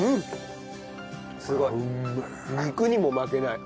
すごい。